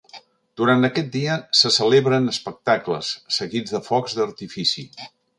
Durant aquest dia, se celebren espectacles, seguits de focs d'artifici.